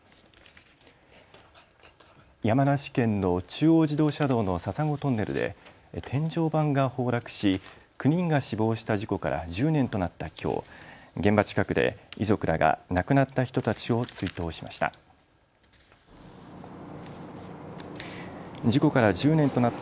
山梨県の中央自動車道の笹子トンネルで天井板が崩落し９人が死亡した事故から１０年となったきょう、現場近くで遺族らが亡くなった人たちを追悼しました。